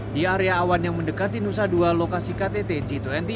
di area awan yang mendekati nusa dua lokasi ktt g dua puluh